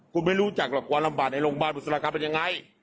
คุณไม่รู้จักหรอกความลำบากในโรงพยาบาลบุษรากรรมเป็นยังไง